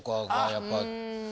やっぱり。